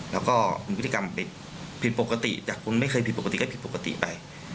แล้วก็มีพฤติกรรมผิดปกติจากคนไม่เคยผิดปกติก็ผิดปกติไป